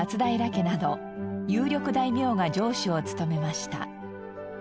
家など有力大名が城主を務めました。